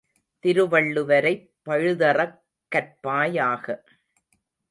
திருவள்ளுவரைப் பழுதறக் கற்பாயாக!